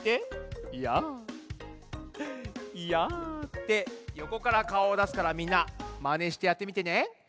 「やあ」ってよこからかおをだすからみんなマネしてやってみてね。